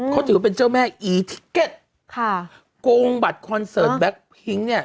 เขาถือว่าเป็นเจ้าแม่อีทิเก็ตค่ะโกงบัตรคอนเสิร์ตแล็คพิ้งเนี่ย